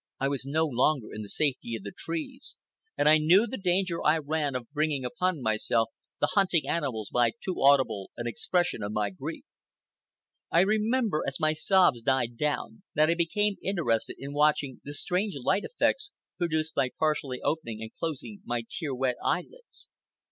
I was no longer in the safety of the trees, and I knew the danger I ran of bringing upon myself the hunting animals by too audible an expression of my grief. I remember, as my sobs died down, that I became interested in watching the strange light effects produced by partially opening and closing my tear wet eyelids.